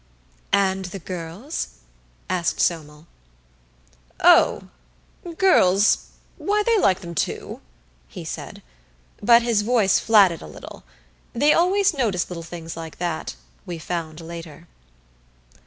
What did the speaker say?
"And the girls?" asked Somel. "Oh girls why they like them too," he said, but his voice flatted a little. They always noticed little things like that, we found later.